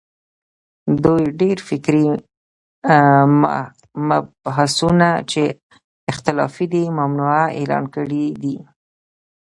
دوی ډېر فکري مبحثونه چې اختلافي دي، ممنوعه اعلان کړي دي